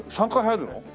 ３回入るの？